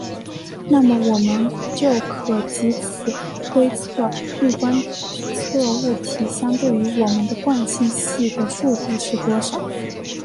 那么我们就可藉此推测欲观测物体相对于我们的惯性系的速度是多少。